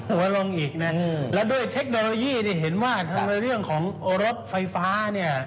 ปักหัวลงอีกแล้วด้วยเทคโนโลยีเห็นว่าเรื่องของรถยนต์ไฟฟ้า